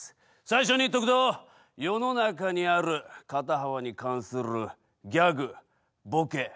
最初に言っとくと世の中にある肩幅に関するギャグボケ